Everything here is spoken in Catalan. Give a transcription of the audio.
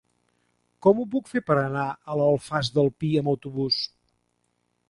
Com ho puc fer per anar a l'Alfàs del Pi amb autobús?